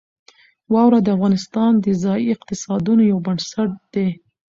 واوره د افغانستان د ځایي اقتصادونو یو بنسټ دی.